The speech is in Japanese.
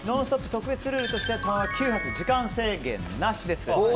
特別ルールとして、９発時間制限なしです。